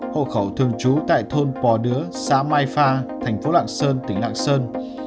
hộ khẩu thường trú tại thôn pò đứa xã mai pha thành phố lạng sơn tỉnh lạng sơn